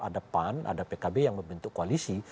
ada pan ada pkb yang membentuk koalisi